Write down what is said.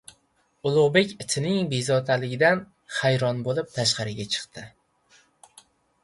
Ulug‘bek itining bezovtaligidan hayron bo‘lib tashqariga chiqdi